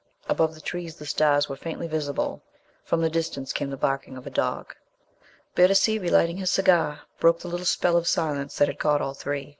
Above the trees the stars were faintly visible. From the distance came the barking of a dog. Bittacy, relighting his cigar, broke the little spell of silence that had caught all three.